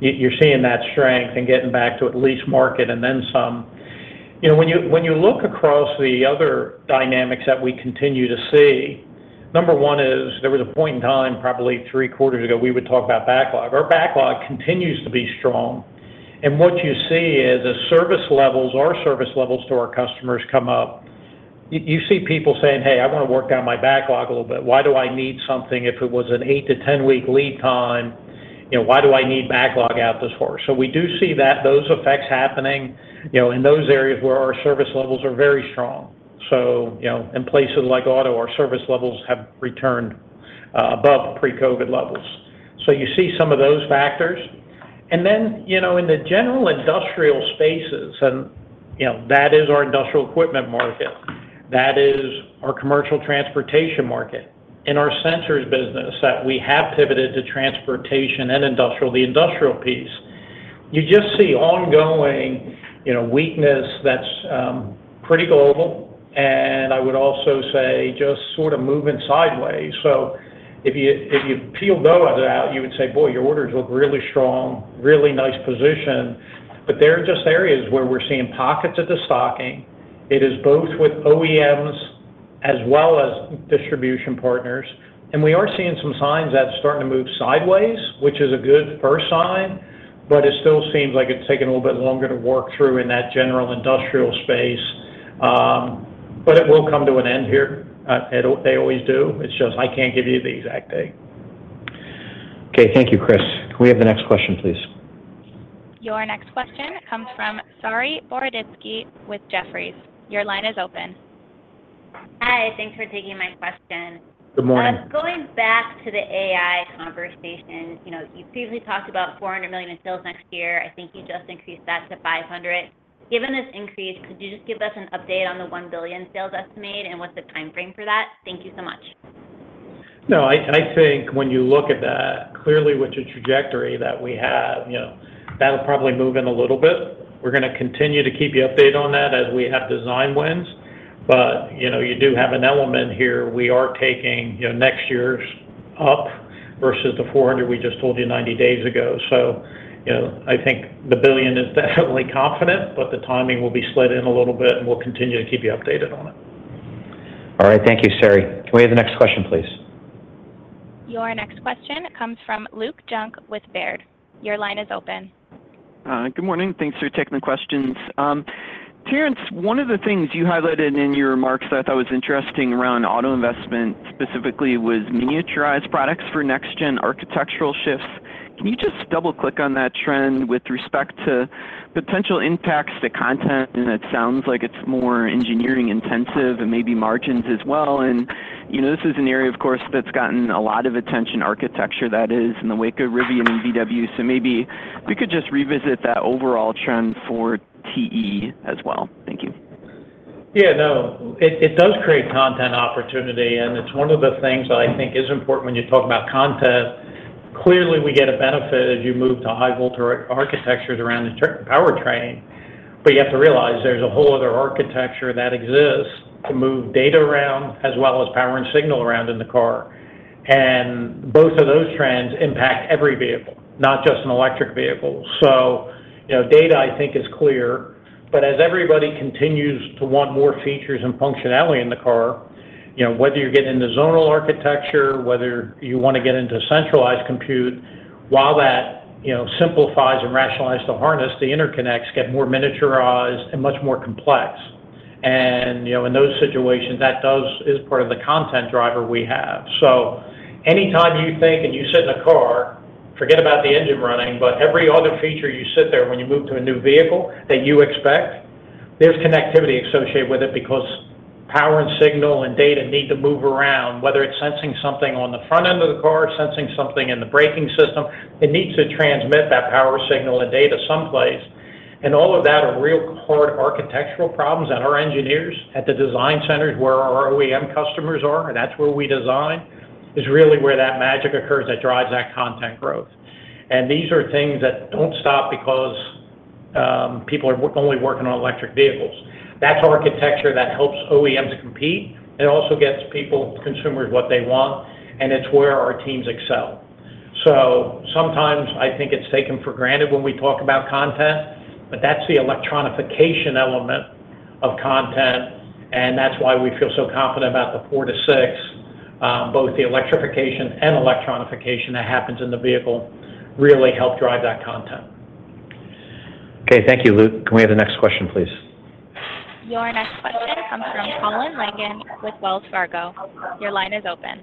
you're seeing that strength and getting back to at least market and then some. When you look across the other dynamics that we continue to see, number one is there was a point in time, probably three quarters ago, we would talk about backlog. Our backlog continues to be strong. What you see is our service levels to our customers come up. You see people saying, "Hey, I want to work down my backlog a little bit. Why do I need something if it was an 8-10-week lead time? Why do I need backlog out this far?" So we do see those effects happening in those areas where our service levels are very strong. In places like auto, our service levels have returned above pre-COVID levels. You see some of those factors. And then in the general industrial spaces, and that is our Industrial Equipment market. That is our Commercial Transportation market. In our Sensors business that we have pivoted to transportation and industrial, the industrial piece, you just see ongoing weakness that's pretty global. And I would also say just sort of moving sideways. If you peel those out, you would say, "Boy, your orders look really strong, really nice position." But there are just areas where we're seeing pockets of destocking. It is both with OEMs as well as distribution partners. We are seeing some signs that are starting to move sideways, which is a good first sign, but it still seems like it's taken a little bit longer to work through in that general industrial space. But it will come to an end here. They always do. It's just I can't give you the exact date. Okay. Thank you, Chris. Can we have the next question, please? Your next question comes from Saree Boroditsky with Jefferies. Your line is open. Hi. Thanks for taking my question. Good morning. Going back to the AI conversation, you previously talked about 400 million in sales next year. I think you just increased that to 500 million. Given this increase, could you just give us an update on the 1 billion sales estimate and what's the timeframe for that? Thank you so much. No, I think when you look at that, clearly with the trajectory that we have, that'll probably move in a little bit. We're going to continue to keep you updated on that as we have design wins. But you do have an element here. We are taking next year's up versus the 400 we just told you 90 days ago. So I think the 1 billion is definitely confident, but the timing will be slid in a little bit, and we'll continue to keep you updated on it. All right. Thank you, Saree. Can we have the next question, please? Your next question comes from Luke Junk with Baird. Your line is open. Good morning. Thanks for taking the questions. Terrence, one of the things you highlighted in your remarks that I thought was interesting around auto investment specifically was miniaturized products for next-gen architectural shifts. Can you just double-click on that trend with respect to potential impacts to content? And it sounds like it's more engineering intensive and maybe margins as well. And this is an area, of course, that's gotten a lot of attention, architecture that is, in the wake of Rivian and VW. So maybe we could just revisit that overall trend for TE as well. Thank you. Yeah. No, it does create content opportunity. And it's one of the things that I think is important when you talk about content. Clearly, we get a benefit as you move to high-voltage architectures around the powertrain. But you have to realize there's a whole other architecture that exists to move data around as well as power and signal around in the car. And both of those trends impact every vehicle, not just an electric vehicle. So data, I think, is clear. But as everybody continues to want more features and functionality in the car, whether you're getting into zonal architecture, whether you want to get into centralized compute, while that simplifies and rationalizes the harness, the interconnects get more miniaturized and much more complex. And in those situations, that is part of the content driver we have. So, anytime you think and you sit in a car, forget about the engine running, but every other feature you sit there when you move to a new vehicle that you expect, there's connectivity associated with it because power and signal and data need to move around, whether it's sensing something on the front end of the car, sensing something in the braking system. It needs to transmit that power, signal, and data someplace. And all of that are real hard architectural problems that our engineers at the design centers where our OEM customers are, and that's where we design, is really where that magic occurs that drives that content growth. And these are things that don't stop because people are only working on electric vehicles. That's architecture that helps OEMs compete. It also gets people, consumers, what they want. And it's where our teams excel. Sometimes I think it's taken for granted when we talk about content, but that's the electronification element of content. That's why we feel so confident about the 4-6, both the electrification and electronification that happens in the vehicle really help drive that content. Okay. Thank you, Luke. Can we have the next question, please? Your next question comes from Colin Langan with Wells Fargo. Your line is open.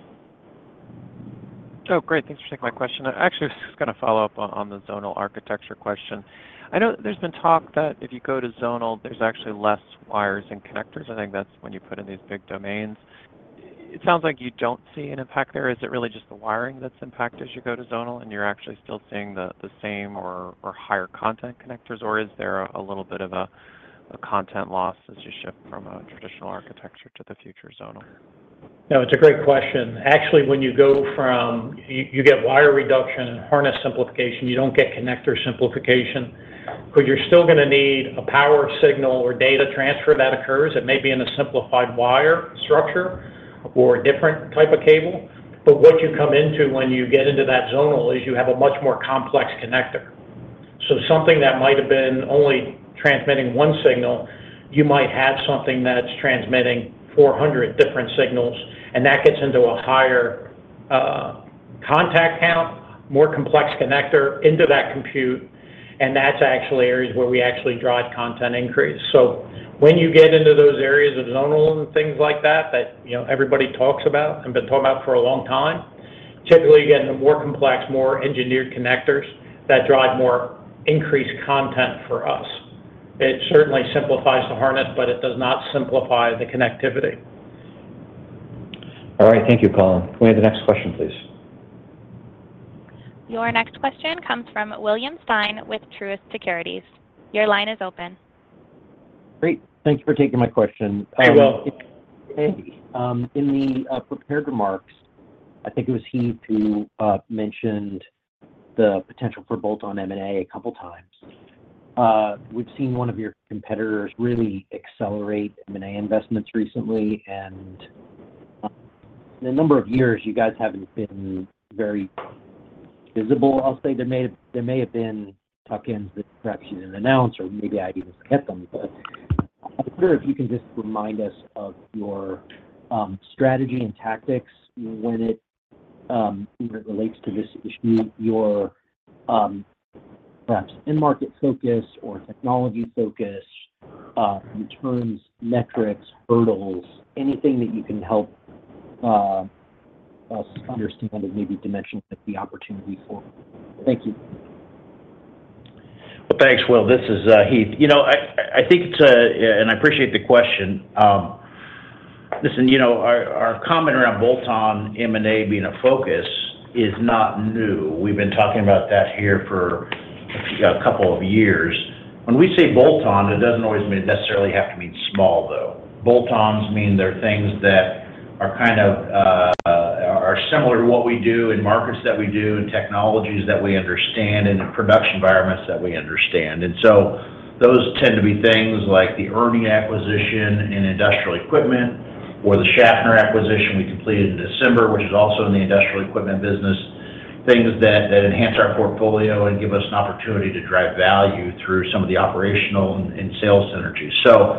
Oh, great. Thanks for taking my question. Actually, I was just going to follow up on the zonal architecture question. I know that there's been talk that if you go to zonal, there's actually less wires and connectors. I think that's when you put in these big domains. It sounds like you don't see an impact there. Is it really just the wiring that's impacted as you go to zonal, and you're actually still seeing the same or higher content connectors? Or is there a little bit of a content loss as you shift from a traditional architecture to the future zonal? No, it's a great question. Actually, when you get wire reduction and harness simplification, you don't get connector simplification. But you're still going to need a power signal or data transfer that occurs. It may be in a simplified wire structure or a different type of cable. But what you come into when you get into that zonal is you have a much more complex connector. So something that might have been only transmitting one signal, you might have something that's transmitting 400 different signals. And that gets into a higher contact count, more complex connector into that compute. And that's actually areas where we actually drive content increase. When you get into those areas of zonal and things like that that everybody talks about and been talking about for a long time, typically you get into more complex, more engineered connectors that drive more increased content for us. It certainly simplifies the harness, but it does not simplify the connectivity. All right. Thank you, Colin. Can we have the next question, please? Your next question comes from William Stein with Truist Securities. Your line is open. Great. Thank you for taking my question. Hey, Will. Hey. In the prepared remarks, I think it was he who mentioned the potential for bolt-on M&A a couple of times. We've seen one of your competitors really accelerate M&A investments recently. And in a number of years, you guys haven't been very visible. I'll say there may have been tuck-ins that perhaps you didn't announce, or maybe I even forget them. But I'm wondering if you can just remind us of your strategy and tactics when it relates to this issue, your perhaps in-market focus or technology focus, returns, metrics, hurdles, anything that you can help us understand and maybe dimension the opportunity for. Thank you. Well, thanks, Will. This is Heath. I think it's a—and I appreciate the question. Listen, our comment around bolt-on M&A being a focus is not new. We've been talking about that here for a couple of years. When we say bolt-on, it doesn't always necessarily have to mean small, though. Bolt-ons mean there are things that are kind of similar to what we do in markets that we do and technologies that we understand and in production environments that we understand. And so those tend to be things like the ERNI acquisition in Industrial Equipment or the Schaffner acquisition we completed in December, which is also in the Industrial Equipment business, things that enhance our portfolio and give us an opportunity to drive value through some of the operational and sales synergy. So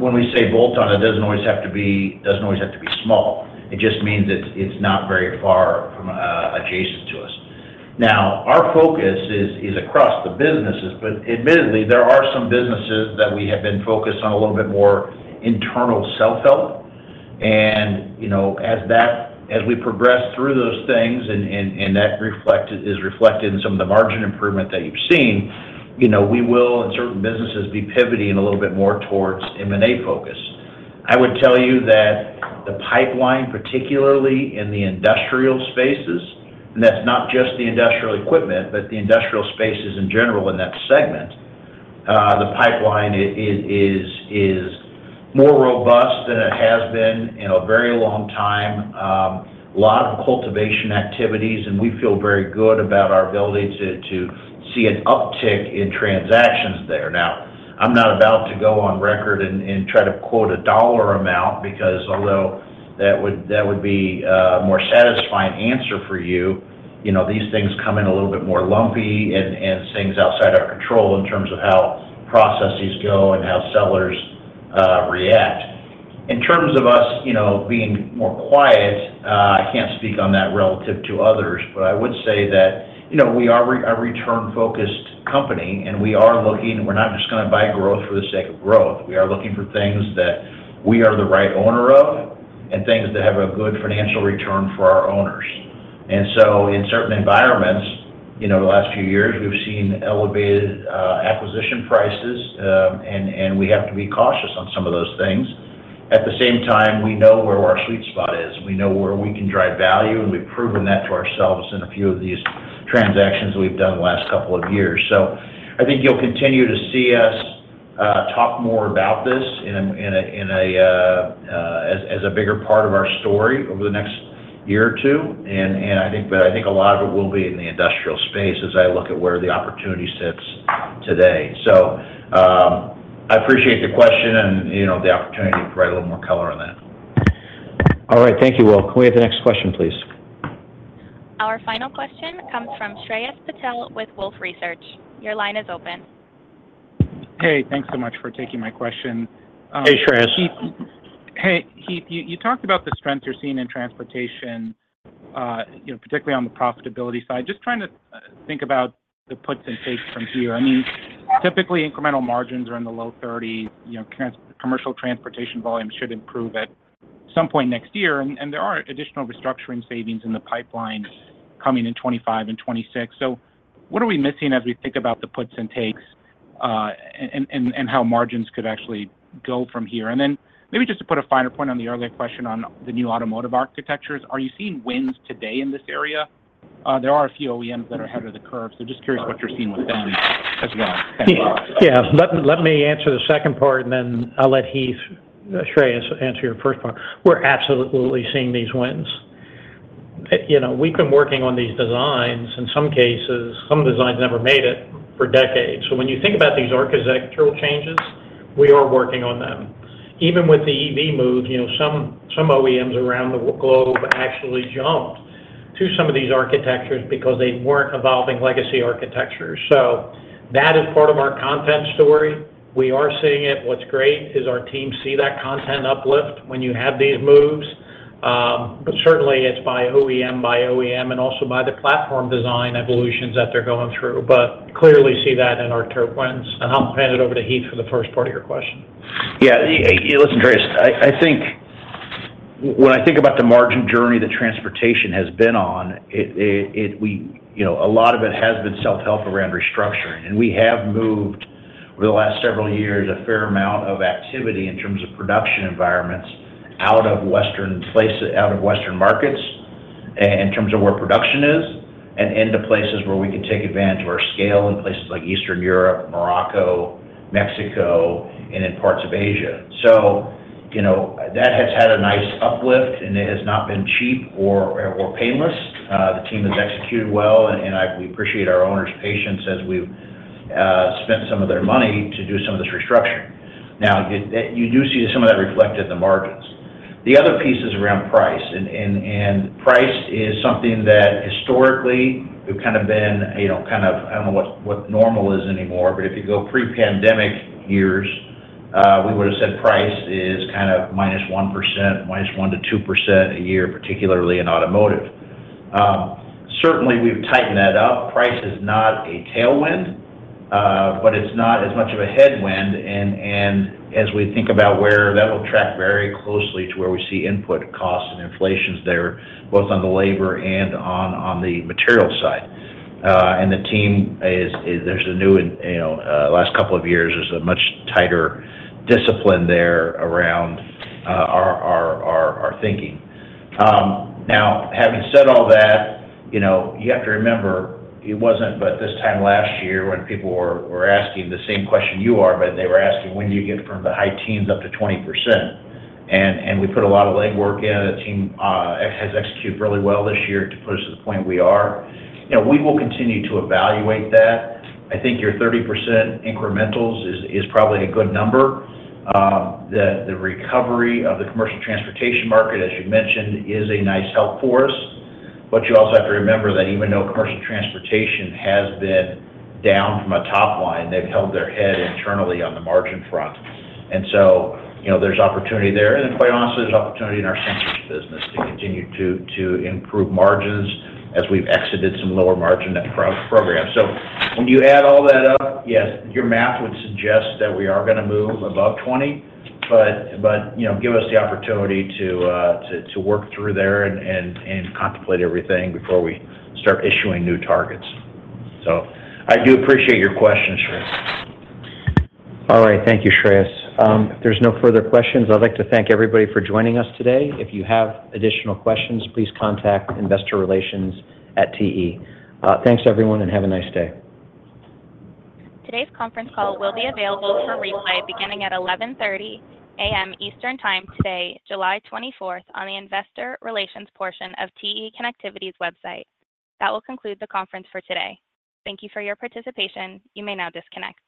when we say bolt-on, it doesn't always have to be—doesn't always have to be small. It just means it's not very far adjacent to us. Now, our focus is across the businesses, but admittedly, there are some businesses that we have been focused on a little bit more internal self-help. And as we progress through those things and that is reflected in some of the margin improvement that you've seen, we will, in certain businesses, be pivoting a little bit more towards M&A focus. I would tell you that the pipeline, particularly in the industrial spaces, and that's not just the industrial equipment, but the industrial spaces in general in that segment, the pipeline is more robust than it has been in a very long time. A lot of cultivation activities, and we feel very good about our ability to see an uptick in transactions there. Now, I'm not about to go on record and try to quote a dollar amount because although that would be a more satisfying answer for you, these things come in a little bit more lumpy and things outside our control in terms of how processes go and how sellers react. In terms of us being more quiet, I can't speak on that relative to others, but I would say that we are a return-focused company, and we are looking, we're not just going to buy growth for the sake of growth. We are looking for things that we are the right owner of and things that have a good financial return for our owners. So in certain environments, the last few years, we've seen elevated acquisition prices, and we have to be cautious on some of those things. At the same time, we know where our sweet spot is. We know where we can drive value, and we've proven that to ourselves in a few of these transactions we've done the last couple of years. So I think you'll continue to see us talk more about this as a bigger part of our story over the next year or two. But I think a lot of it will be in the industrial space as I look at where the opportunity sits today. So I appreciate the question and the opportunity to provide a little more color on that. All right. Thank you, Will. Can we have the next question, please? Our final question comes from Shreyas Patel with Wolfe Research. Your line is open. Hey, thanks so much for taking my question. Hey, Shreyas. Heath, you talked about the strength you're seeing in transportation, particularly on the profitability side. Just trying to think about the puts and takes from here. I mean, typically, incremental margins are in the low 30s. Commercial transportation volume should improve at some point next year. And there are additional restructuring savings in the pipeline coming in 2025 and 2026. So what are we missing as we think about the puts and takes and how margins could actually go from here? And then maybe just to put a finer point on the earlier question on the new automotive architectures, are you seeing wins today in this area? There are a few OEMs that are ahead of the curve. So just curious what you're seeing with them as well. Yeah. Let me answer the second part, and then I'll let Shreyas answer your first part. We're absolutely seeing these wins. We've been working on these designs. In some cases, some designs never made it for decades. So when you think about these architectural changes, we are working on them. Even with the EV move, some OEMs around the globe actually jumped to some of these architectures because they weren't evolving legacy architectures. So that is part of our content story. We are seeing it. What's great is our team see that content uplift when you have these moves. But certainly, it's by OEM by OEM and also by the platform design evolutions that they're going through. But clearly see that in our TE and I'll hand it over to Heath for the first part of your question. Yeah. Listen, Shreyas, I think when I think about the margin journey that transportation has been on, a lot of it has been self-help around restructuring. And we have moved over the last several years a fair amount of activity in terms of production environments out of Western markets in terms of where production is and into places where we can take advantage of our scale in places like Eastern Europe, Morocco, Mexico, and in parts of Asia. So that has had a nice uplift, and it has not been cheap or painless. The team has executed well, and we appreciate our owners' patience as we've spent some of their money to do some of this restructuring. Now, you do see some of that reflected in the margins. The other piece is around price. Price is something that historically we've kind of been kind of. I don't know what normal is anymore, but if you go pre-pandemic years, we would have said price is kind of -1%, -1% to -2% a year, particularly in automotive. Certainly, we've tightened that up. Price is not a tailwind, but it's not as much of a headwind. And as we think about where that will track very closely to where we see input costs and inflations there, both on the labor and on the material side. And the team is. There's a new in the last couple of years, there's a much tighter discipline there around our thinking. Now, having said all that, you have to remember it wasn't but this time last year when people were asking the same question you are, but they were asking, "When do you get from the high teens up to 20%?" We put a lot of legwork in. The team has executed really well this year to push to the point we are. We will continue to evaluate that. I think your 30% incrementals is probably a good number. The recovery of the Commercial Transportation market, as you mentioned, is a nice help for us. But you also have to remember that even though Commercial Transportation has been down from a top line, they've held their head internally on the margin front. And so there's opportunity there. And quite honestly, there's opportunity in our Sensors business to continue to improve margins as we've exited some lower margin programs. So when you add all that up, yes, your math would suggest that we are going to move above 20, but give us the opportunity to work through there and contemplate everything before we start issuing new targets. So I do appreciate your questions, Shreyas. All right. Thank you, Shreyas. If there's no further questions, I'd like to thank everybody for joining us today. If you have additional questions, please contact investorrelations@te. Thanks, everyone, and have a nice day. Today's conference call will be available for replay beginning at 11:30 A.M. Eastern Time today, July 24th, on the investor relations portion of TE Connectivity's website. That will conclude the conference for today. Thank you for your participation. You may now disconnect.